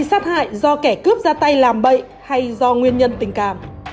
sát hại do kẻ cướp ra tay làm bậy hay do nguyên nhân tình cảm